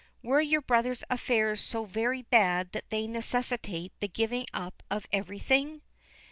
Were your brother's affairs so very bad that they necessitate the giving up of everything?"